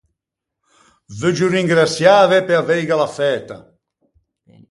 Veuggio ringraçiâve pe aveighela fæta.